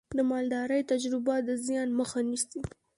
د مالدارۍ تجربه د زیان مخه نیسي.